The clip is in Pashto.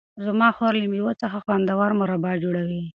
زما خور له مېوو څخه خوندور مربا جوړوي.